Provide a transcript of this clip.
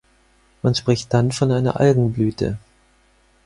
Man spricht dann von einer Algenblüte.